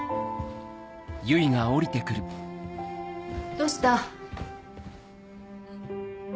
どうした？